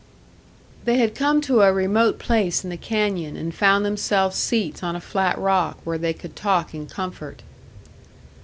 They had come to a remote place in the canyon, and found themselves seats on a flat rock, where they could talk in comfort.